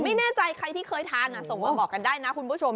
ไม่แน่ใจใครที่เคยทานส่งมาบอกกันได้นะคุณผู้ชม